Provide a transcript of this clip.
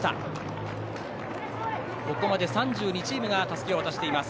ここまで３２チームがたすきを渡しています。